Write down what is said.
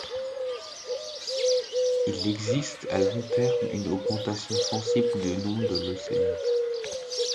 Il existe, à long terme, une augmentation sensible du nombre de leucémies.